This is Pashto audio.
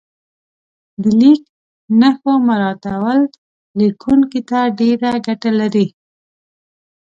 د لیک نښو مراعاتول لیکونکي ته ډېره ګټه لري.